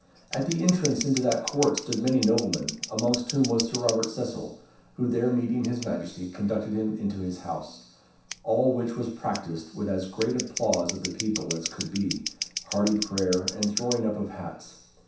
At the entrance into that court stood many noblemen, amongst whom was Sir Robert Cecil, who there meeting his Majesty conducted him into his house, all which was practised with as great applause of the people as could be, hearty prayer, and throwing up of hats.